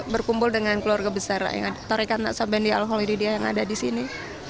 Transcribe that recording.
berkumpul dengan keluarga besar yang ada tarikat naksabendi al holididya yang ada di sini